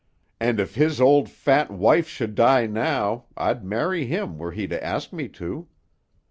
And if his old fat wife should die now, I'd marry him were he to ask me to.